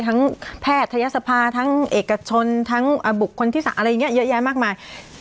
แพทยศภาทั้งเอกชนทั้งบุคคลที่๓อะไรอย่างนี้เยอะแยะมากมาย